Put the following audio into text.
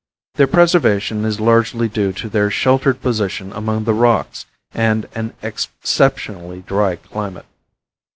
Their preservation is largely due to their sheltered position among the rocks and an exceptionally dry climate.